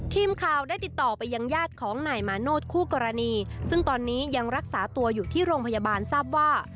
ทีมข่าวได้ติดต่อไปยังญาติของนายมาโนธคู่กรณีซึ่งตอนนี้ยังรักษาตัวอยู่ที่โรงพยาบาลทราบว่า